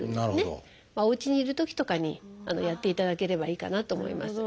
おうちにいるときとかにやっていただければいいかなと思います。